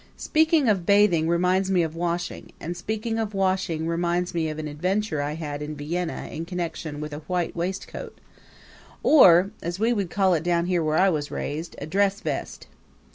Speaking of bathing reminds me of washing; and speaking of washing reminds me of an adventure I had in Vienna in connection with a white waistcoat or, as we would call it down where I was raised, a dress vest.